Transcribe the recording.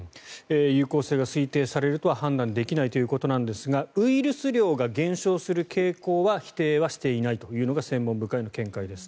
有効性が推定されるとは判断できないということですがウイルス量が減少する傾向は否定はしていないというのが専門部会の見解です。